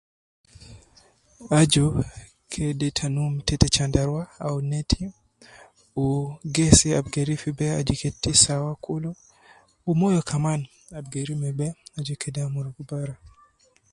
Aju, kede ita num tete chandarua au neti, wu ,gesi ab geri fi bee aju kede sawa kulu ,wu moyo kaman ab geri me bee, aju kede amurugu bara